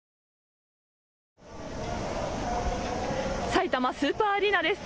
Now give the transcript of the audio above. さいたまスーパーアリーナです。